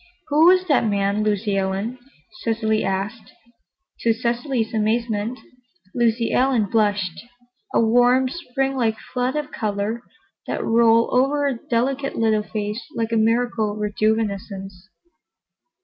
"Who was that man, Lucy Ellen?" Cecily asked. To Cecily's amazement, Lucy Ellen blushed—a warm, Spring like flood of color that rolled over her delicate little face like a miracle of rejuvenescence.